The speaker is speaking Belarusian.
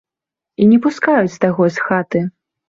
І не пускаюць таго з хаты.